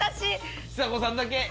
ちさ子さんだけＡ。